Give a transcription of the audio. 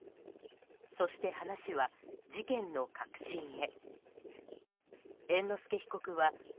そして話は、事件の核心へ。